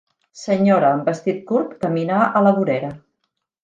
Senyora en vestit curt caminar a la vorera